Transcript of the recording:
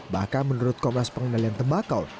bahkan menurut komnas pengendalian tembakau